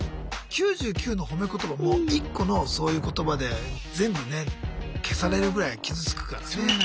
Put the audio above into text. ９９の褒め言葉も１個のそういう言葉で全部ね消されるぐらい傷つくからね。